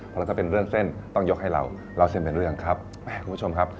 เพราะถ้าเป็นเรื่องเส้นต้องยกให้เราเล่าเส้นเป็นเรื่องครับ